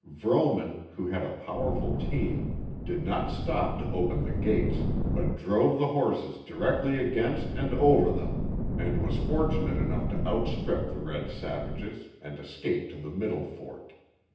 Vrooman, who had a powerful team, did not stop to open the gates, but drove the horses directly against and over them, and was fortunate enough to outstrip the red savages, and escape to the middle fort.